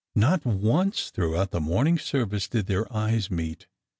Not once throughout that morning service did their eyes meet.